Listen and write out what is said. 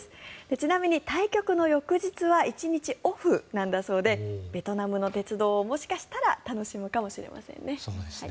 ちなみに対局の翌日は１日オフだそうでベトナムの鉄道を、もしかしたら楽しむかもしれませんね。